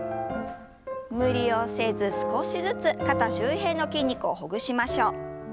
無理をせず少しずつ肩周辺の筋肉をほぐしましょう。